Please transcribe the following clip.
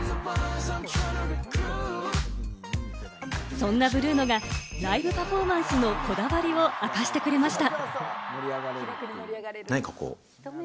そんなブルーノがライブパフォーマンスのこだわりを明かしてくれました。